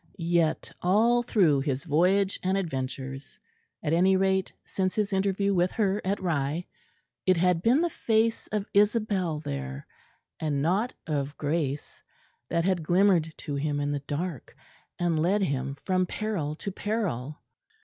Yet all through his voyage and adventures, at any rate since his interview with her at Rye, it had been the face of Isabel there, and not of Grace, that had glimmered to him in the dark, and led him from peril to peril.